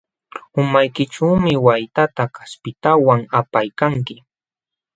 Umaykićhuumi waytata kaspintawan apaykanki.